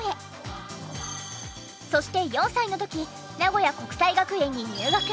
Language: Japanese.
そして４歳の時名古屋国際学園に入学。